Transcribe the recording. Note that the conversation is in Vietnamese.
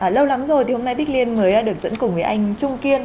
lâu lắm rồi thì hôm nay bích liên mới được dẫn cùng với anh trung kiên